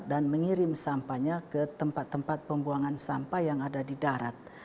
dan mengirim sampahnya ke tempat tempat pembuangan sampah yang ada di darat